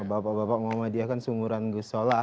kalau bapak muhammadiyah kan sunguran gusola